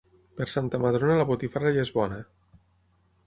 Per Santa Madrona la botifarra ja és bona.